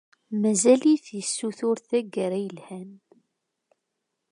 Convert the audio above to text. Mazal-it issutur taggara ilhan.